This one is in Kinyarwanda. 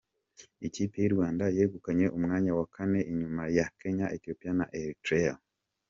Ikipe y’u Rwanda yegukanye umwanya wa kane, inyuma ya Kenya, Ethiopia na Eritrea.